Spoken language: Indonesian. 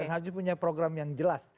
haji punya program yang jelas